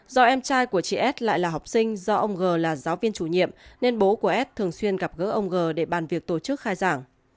do em trai của chị s lại là học sinh do ông g là giáo viên chủ nhiệm nên bố của s thường xuyên gặp gỡ ông g để bàn việc tổ chức khai giảng